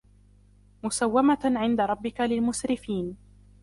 مُسَوَّمَةً عِنْدَ رَبِّكَ لِلْمُسْرِفِينَ